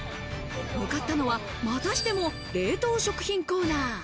向かったのは、またしても冷凍食品コーナー。